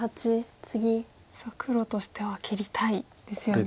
黒としては切りたいですよね。